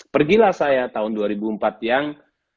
pergilah saya tahun dua ribu empat yang